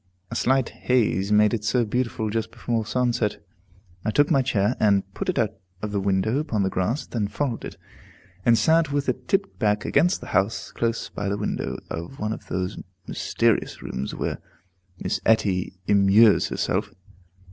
A slight haze made it so beautiful just before sunset, I took my chair, and put it out of the window upon the grass, then followed it, and sat with it tipped back against the house, close by the window of one of those mysterious rooms where Miss Etty immures herself.